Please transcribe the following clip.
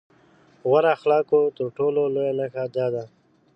غوره اخلاقو تر ټولو لويه نښه دا ده.